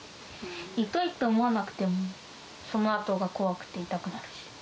痛いって思わなくても、そのあとが怖くて痛くなるし。